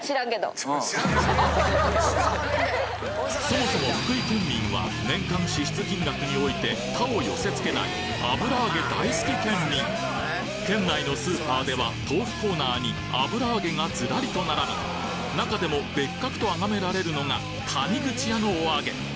そもそも福井県民は年間支出金額において他を寄せ付けない油揚げ大好き県民県内のスーパーでは豆腐コーナーに油揚げがずらりと並び中でも別格とあがめられるのが「谷口屋の、おあげ」